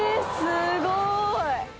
すごい！